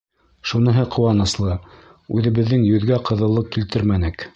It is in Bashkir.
Шуныһы ҡыуаныслы: үҙебеҙҙең йөҙгә ҡыҙыллыҡ килтермәнек.